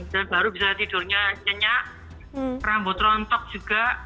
dan baru bisa tidurnya nyenyak rambut rontok juga